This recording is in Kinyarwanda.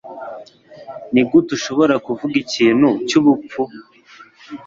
Nigute ushobora kuvuga ikintu cyubupfu?